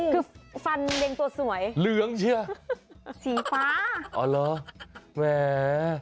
คือฟันเรียงตัวสวยเหลืองเชียสีฟ้าอ๋อเหรอแหม